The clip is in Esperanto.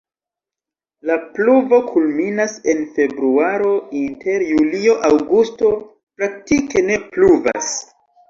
La pluvo kulminas en februaro, inter julio-aŭgusto praktike ne pluvas.